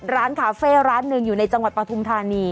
ร้านคาเฟ่ร้านหนึ่งอยู่ในจังหวัดปฐุมธานี